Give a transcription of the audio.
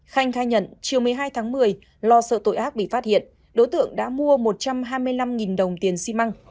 khanh khai nhận chiều một mươi hai tháng một mươi lo sợ tội ác bị phát hiện đối tượng đã mua một trăm hai mươi năm đồng tiền xi măng